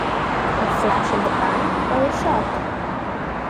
A flash in the pan or a shot?